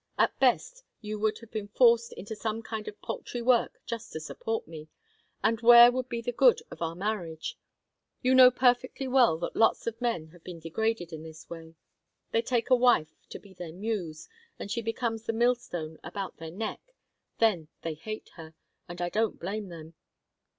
At best, you would have been forced into some kind of paltry work just to support me and where would be the good of our marriage? You know perfectly well that lots of men have been degraded in this way. They take a wife to be their Muse, and she becomes the millstone about their neck; then they hate her and I don't blame them.